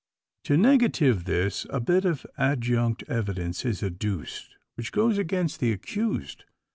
To negative this, a bit of adjunct evidence is adduced, which goes against the accused.